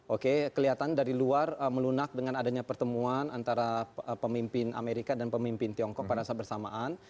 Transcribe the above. oke kelihatan dari luar melunak dengan adanya pertemuan antara pemimpin amerika dan pemimpin tiongkok pada saat bersamaan